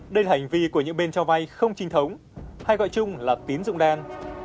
đây là hành vi của những bên cho vay không trinh thống hay gọi chung là tín dụng đen